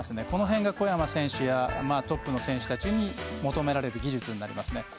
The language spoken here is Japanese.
この辺が小山選手やトップの選手たちに求められる技術になりますね。